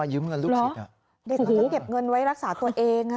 เด็กเขาจะเก็บเงินไว้รักษาตัวเอง